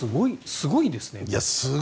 すごいですね。